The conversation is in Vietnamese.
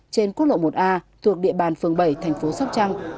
trên quốc lộ một a thuộc địa bàn phường bảy tp sóc trăng